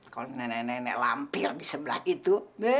kalau nenek nenek lampir di sebelah itu